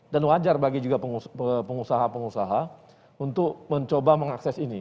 dan wajar bagi juga pengusaha pengusaha untuk mencoba mengakses ini